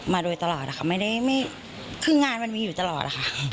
มาโดยตลอดนะคะไม่ได้คืองานมันมีอยู่ตลอดอะค่ะ